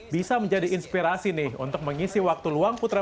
bisa menjadi inspirasi nih untuk mengisi waktu luang putra